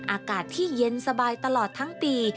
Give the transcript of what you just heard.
อากาศที่เย็นสบายตลอดทั้งปี